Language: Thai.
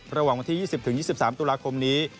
ระหว่างวันที่๒๐๒๓ตุลาคมนี้